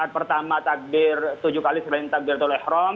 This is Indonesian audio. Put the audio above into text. pertama takbir tujuh kali selain takbir tul ehrom